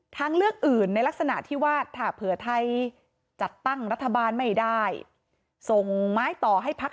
ทางเลือกอื่นในลักษณะที่ว่าถ้าเผื่อไทยจัดตั้งรัฐบาลไม่ได้ส่งไม้ต่อให้พัก